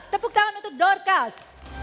tepuk tangan untuk dorkas